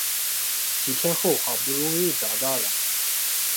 几天后好不容易找到了